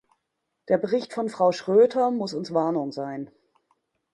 Der Bericht von Frau Schroedter muss uns Warnung sein.